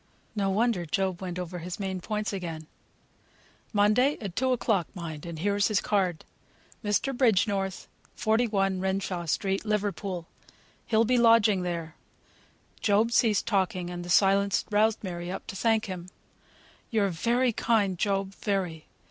No wonder Job went over his main points again: "Monday; at two o'clock, mind; and here's his card. 'Mr. Bridgenorth, 41, Renshaw Street, Liverpool.' He'll be lodging there." Job ceased talking, and the silence roused Mary up to thank him. "You're very kind, Job; very.